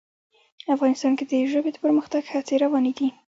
افغانستان کې د ژبې د پرمختګ هڅې روانې دي.